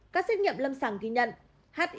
các xét nghiệm lâm sảng ghi nhận